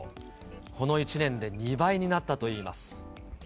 この１年で２倍になったといいます。